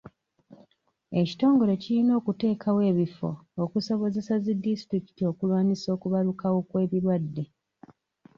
Ekitongole kirina okuteekawo ebifo okusobozesa zi disitulikiti okulwanyisa okubalukawo kw'ebirwadde.